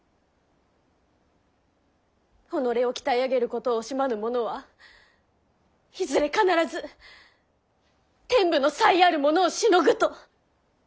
己を鍛え上げることを惜しまぬ者はいずれ必ず天賦の才ある者をしのぐと。